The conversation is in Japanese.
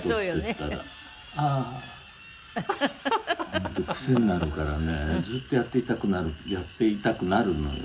「本当癖になるからねずっとやっていたくなるやっていたくなるのよ。